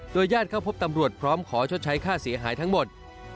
ญาติเข้าพบตำรวจพร้อมขอชดใช้ค่าเสียหายทั้งหมด